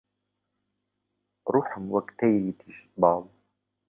ڕووحم وەک تەیری تیژ باڵ